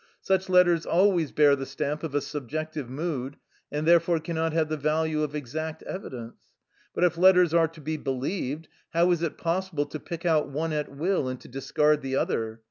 Such letters always bear the stamp of a subjective mood and therefore cannot have the value of exact evidence. But if letters are to be believed, how is it possible to pick out one at will and to discard the other?